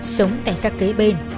sống tại xã kế bên